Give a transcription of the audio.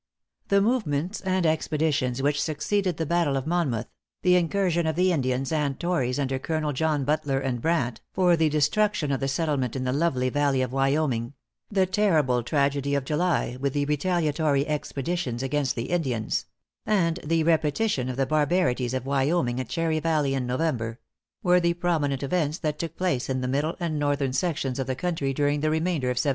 The movements and expeditions which succeeded the battle of Monmouth the incursion of the Indians and tories under Colonel John Butler and Brandt, for the destruction of the settlement in the lovely valley of Wyoming the terrible tragedy of July, with the retaliatory expeditions against the Indians and the repetition of the barbarities of Wyoming at Cherry Valley, in November were the prominent events that took place in the middle and northern sections of the country during the remainder of 1778.